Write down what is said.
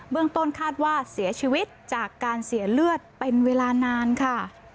เรื่องต้นคาดว่าเสียชีวิตจากการเสียเลือดเป็นเวลานานค่ะ